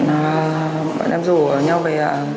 bọn em rủ nhau về